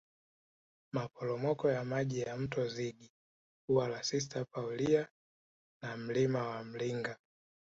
Maporomoko ya maji ya Mto Zigi Ua la Sista Paulia na Mlima wa Mlinga